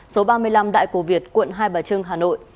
số ba mươi năm đại cổ việt quận hai bà trưng hà nội